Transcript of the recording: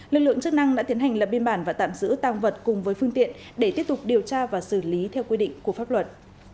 lực lượng chức năng đã tiến hành lập biên bản và tạm giữ tăng vật cùng với phương tiện để tiếp tục điều tra và xử lý theo quy định của pháp luật